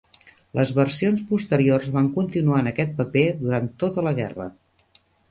Les versions posteriors van continuar en aquest paper durant tota la guerra.